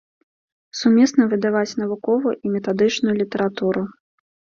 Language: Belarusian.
Сумесна выдаваць навуковую і метадычную літаратуру.